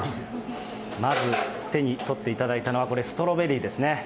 まず手に取っていただいたのはこれ、ストロベリーですね。